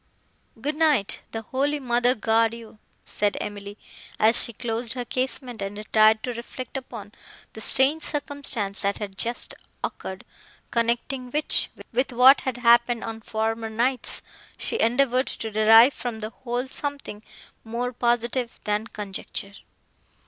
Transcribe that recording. "Good night; the holy mother guard you!" said Emily, as she closed her casement and retired to reflect upon the strange circumstance that had just occurred, connecting which with what had happened on former nights, she endeavoured to derive from the whole something more positive, than conjecture.